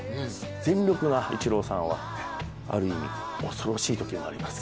全力が、イチローさんが、ある意味おそろしいときがありますが。